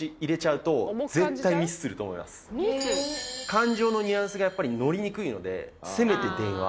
感情のニュアンスがやっぱり乗りにくいのでせめて電話。